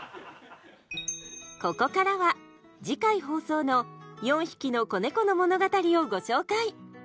ここからは次回放送の４匹の子猫の物語をご紹介！